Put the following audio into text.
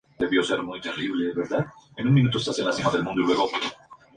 Los valores experimentales para el factor de compresibilidad confirman esto.